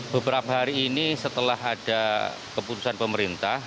beberapa hari ini setelah ada keputusan pemerintah